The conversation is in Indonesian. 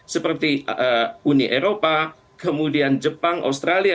seperti uni eropa kemudian jepang australia